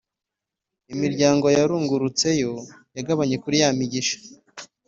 imiryango yarungurutseyo yagabanye kuri ya migisha